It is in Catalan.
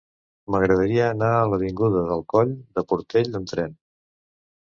M'agradaria anar a l'avinguda del Coll del Portell amb tren.